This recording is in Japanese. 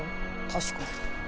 確かに。